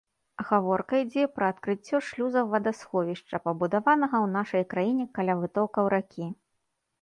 Гаворка ідзе пра адкрыццё шлюзаў вадасховішча, пабудаванага ў нашай краіне каля вытокаў ракі.